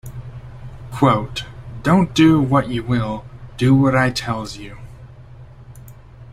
Quote: Don't do what you will, do what I tells you.